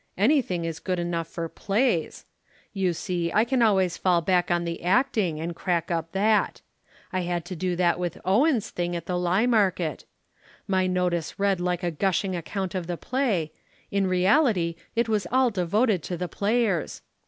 "Anything is good enough for plays. You see I can always fall back on the acting and crack up that. I had to do that with Owen's thing at the Lymarket. My notice read like a gushing account of the play, in reality it was all devoted to the players.